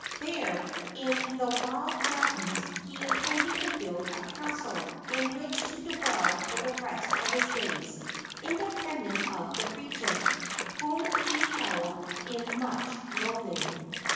There, in the wild mountains, he intended to build a castle, in which to dwell for the rest of his days independent of the Regent, whom he held in much loathing.